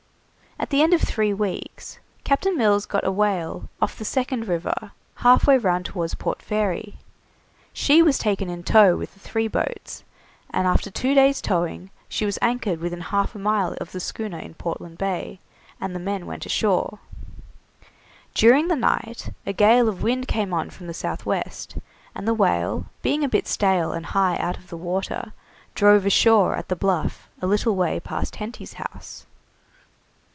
At the end of three weeks Captain Mills got a whale off the second river, halfway round towards Port Fairy. She was taken in tow with the three boats, and after two days' towing, she was anchored within half a mile of the schooner in Portland Bay, and the men went ashore. During the night a gale of wind came on from the south west, and the whale, being a bit stale and high out of the water, drove ashore at the Bluff, a little way past Henty's house.